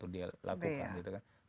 dia lakukan gitu kan